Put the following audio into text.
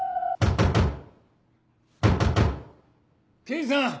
刑事さん！